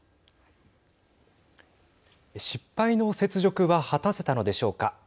失敗の雪辱は果たせたのでしょうか。